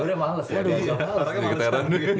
udah males ya